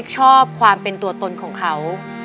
ใช่ครับ